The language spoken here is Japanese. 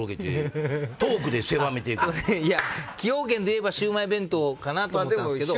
崎陽軒といえばシウマイ弁当かと思ったんすけど。